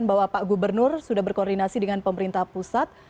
bahwa pak gubernur sudah berkoordinasi dengan pemerintah pusat